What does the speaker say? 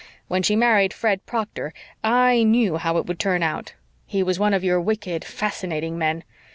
When she married Fred Proctor I knew how it would turn out. He was one of your wicked, fascinating men.